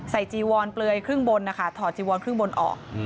จีวอนเปลือยครึ่งบนนะคะถอดจีวอนครึ่งบนออก